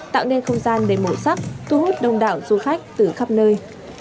tạo nên không gian đầy màu sắc thu hút đông đảo du khách từ khắp nơi